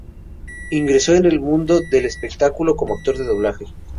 Ingresó en el mundo del espectáculo como actor de doblaje.